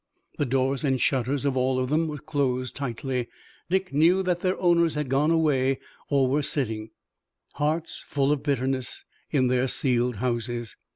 The doors and shutters of all of them were closed tightly. Dick knew that their owners had gone away or were sitting, hearts full of bitterness, in their sealed houses.